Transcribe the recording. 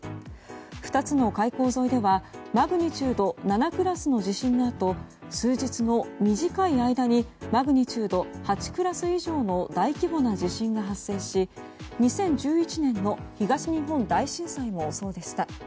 ２つの海溝沿いではマグニチュード７クラスの地震のあと、数日の短い間にマグニチュード８クラス以上の大規模な地震が発生し２０１１年の東日本大震災もそうでした。